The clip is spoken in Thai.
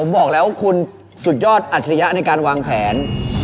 ผมบอกแล้วคุณสุดยอดอัจฉริยะในการวางแผน